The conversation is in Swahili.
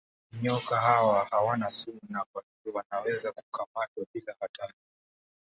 Nyoka hawa hawana sumu na kwa hivyo wanaweza kukamatwa bila hatari.